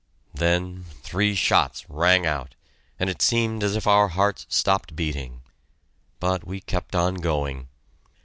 Then three shots rang out, and it seemed as if our hearts stopped beating but we kept on going!